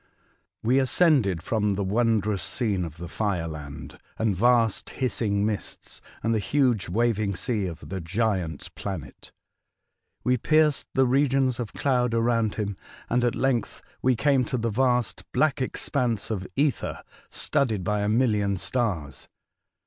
WE ascended from tlie wondrous scene of the fire land and vast, hissing mists, and the huge waving sea of the giant planet. We pierced the regions of clouds around him, and at length we came to the vast, black expanse o£ ether, studded by a million stars.